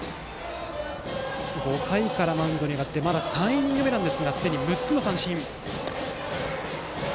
５回からマウンドに上がりまだ３イニング目なんですがすでに６つの三振。